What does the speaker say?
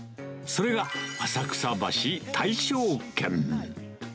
それが、浅草橋大勝軒。